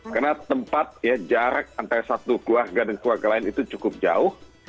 karena tempat jarak antara satu keluarga dan keluarga lain itu cukup jauh